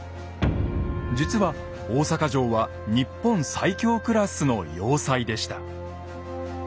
実は大坂城は日本最強クラスの要塞でした。